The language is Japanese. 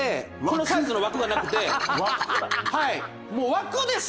このサイズの枠がなくて。